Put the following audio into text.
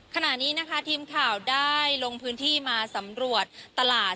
ขณะนี้นะคะทีมข่าวได้ลงพื้นที่มาสำรวจตลาด